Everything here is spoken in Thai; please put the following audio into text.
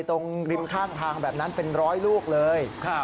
ตรงริมข้างทางแบบนั้นเป็นร้อยลูกเลย